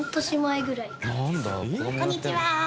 こんにちは。